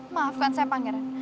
maafkan saya pangeran